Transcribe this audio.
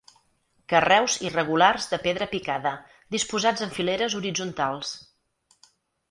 Carreus irregulars de pedra picada, disposats en fileres horitzontals.